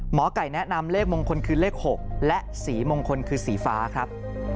หมอไก่แนะนำเลขมงคลคือเลข๖และสีมงคลคือสีฟ้าครับ